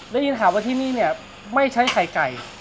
ได้ยินข่าวว่าที่นี่เนี่ยไม่ใช้ไข่ไก่